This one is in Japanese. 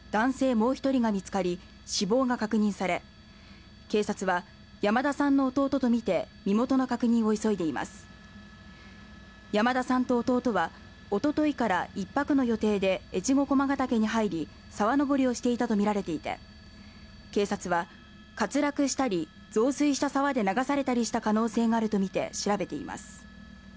もう一人が見つかり死亡が確認され警察は山田さんの弟とみて身元の確認を急いでいます山田さんと弟はおとといから１泊の予定で越後駒ヶ岳に入り沢登りをしていたとみられていて警察は滑落したり増水した沢で流されたりした可能性があるとみて調べています